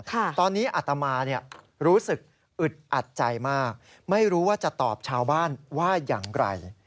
ตอนนี้อัตมาเนี่ยรู้สึกอึดอัดใจมากไม่รู้ว่าจะตอบชาวบ้านว่าอย่างไร